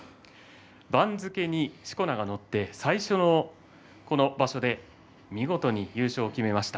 番付にしこ名が載って最初のこの場所で見事に優勝を決めました。